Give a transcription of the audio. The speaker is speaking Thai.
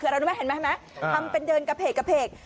คือเราหรือน่ะเห็นมั้ยเวลาเห็นรู้มั้ยทำเป็นเดินกระเพกกระเพก